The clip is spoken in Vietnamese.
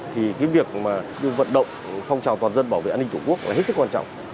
thì cái việc mà vận động phong trào toàn dân bảo vệ an ninh tổ quốc là hết sức quan trọng